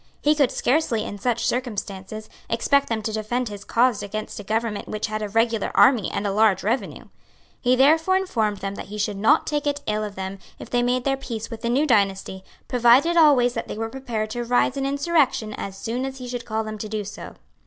He could scarcely, in such circumstances, expect them to defend his cause against a government which had a regular army and a large revenue. He therefore informed them that he should not take it ill of them if they made their peace with the new dynasty, provided always that they were prepared to rise in insurrection as soon as he should call on them to do so.